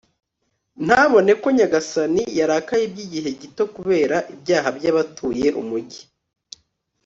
ntabone ko nyagasani yarakaye by'igihe gito kubera ibyaha by'abatuye umugi